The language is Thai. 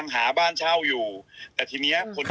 หนูม